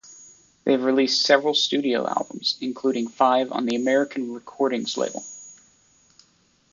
They have released several studio albums, including five on the American Recordings label.